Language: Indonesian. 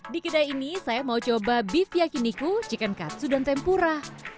di kedai ini saya mau coba beef yakiniku chicken katsu dan tempura